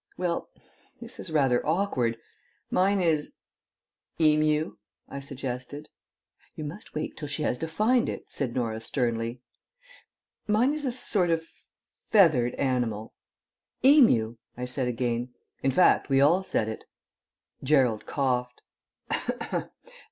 "Well, this is rather awkward. Mine is " "Emu," I suggested. "You must wait till she has defined it," said Norah sternly. "Mine is a sort of feathered animal." "Emu," I said again. In fact, we all said it. Gerald coughed.